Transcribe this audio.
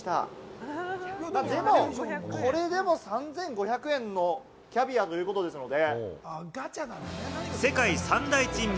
でもこれでも３５００円のキャビアということですので。